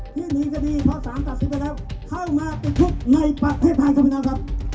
ที่มีคดีพศตัดสินไปแล้วเข้ามาไปทุกข์ในประเทศภายคล์พิน้องครับ